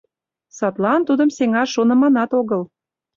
Садлан тудым сеҥаш шоныманат огыл.